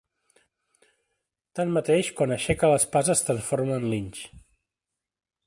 Tanmateix, quan aixeca l'espasa es transforma en linx.